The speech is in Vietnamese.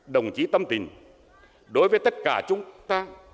đồng chí tâm tình đối với tất cả chúng ta